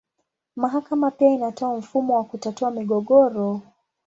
Mahakama pia inatoa mfumo wa kutatua migogoro.